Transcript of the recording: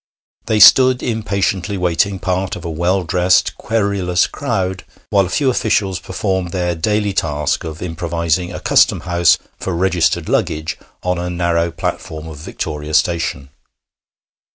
They stood impatiently waiting, part of a well dressed, querulous crowd, while a few officials performed their daily task of improvising a Custom house for registered luggage on a narrow platform of Victoria Station.